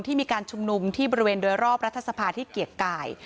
มีการชุมนุมที่บริเวณโดยรอบรัฐสภาที่เกียรติกาย